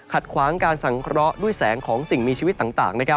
ขวางการสังเคราะห์ด้วยแสงของสิ่งมีชีวิตต่าง